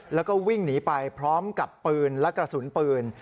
แล้วก็วิ่งหนีไปพร้อมกับปืนและกระสุนปืน